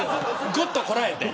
ぐっとこらえて。